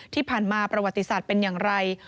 ที่ผ่านมาประวัติศาสตร์เป็นอย่างไร